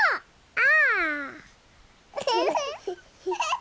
あ！